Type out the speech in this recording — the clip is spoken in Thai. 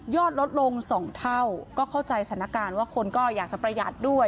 ลดลง๒เท่าก็เข้าใจสถานการณ์ว่าคนก็อยากจะประหยัดด้วย